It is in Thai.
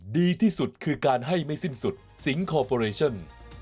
ดีที่สุดคือการให้ไม่สิ้นสุดสิงคอร์ปอเรชั่น